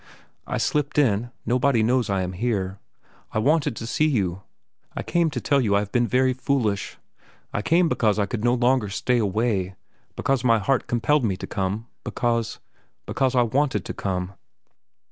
"I slipped in. Nobody knows I am here. I wanted to see you. I came to tell you I have been very foolish. I came because I could no longer stay away, because my heart compelled me to come, because—because I wanted to come."